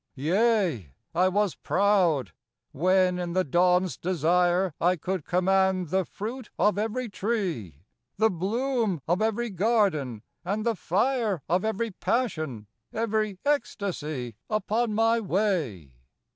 Yea, I was proud, when in the dawn's desire I could command the fruit of every tree, The bloom of every garden, and the fire Of every passion, every eestacy Upon my way.